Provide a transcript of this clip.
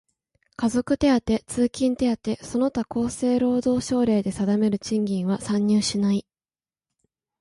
家族手当、通勤手当その他厚生労働省令で定める賃金は算入しない。